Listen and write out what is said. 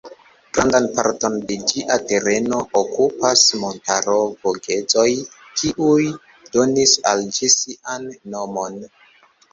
Grandan parton de ĝia tereno okupas montaro Vogezoj, kiuj donis al ĝi sian nomon.